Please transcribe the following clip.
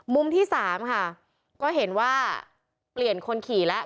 มุมที่สามค่ะก็เห็นว่าเปลี่ยนคนขี่แล้ว